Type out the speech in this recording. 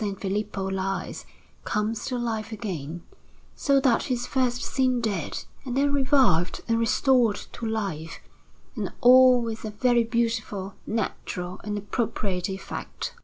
Filippo lies, comes to life again, so that he is first seen dead, and then revived and restored to life, and all with a very beautiful, natural, and appropriate effect.